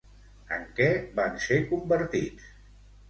En què van ser convertits?